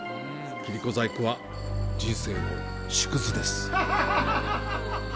切子細工は人生の縮図です。